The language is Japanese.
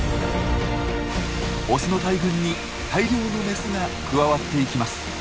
オスの大群に大量のメスが加わっていきます。